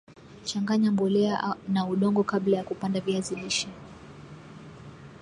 Changanya mbolea na udongo kabla ya kupanda viazi lishe